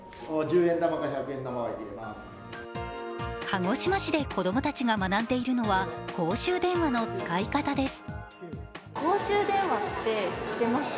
鹿児島市で子供たちが学んでいるのは公衆電話の使い方です。